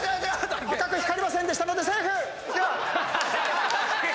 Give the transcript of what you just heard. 赤く光りませんでしたのでセーフ！